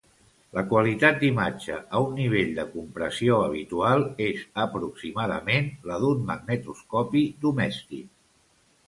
La qualitat d'imatge a un nivell de compressió habitual és aproximadament la d'un magnetoscopi domèstic.